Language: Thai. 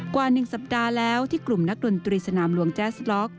กว่า๑สัปดาห์แล้วที่กลุ่มนักดนตรีสนามหลวงแจ๊สล็อก